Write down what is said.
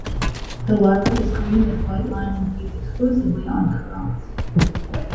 The larva is green with white lines and feeds exclusively on currants.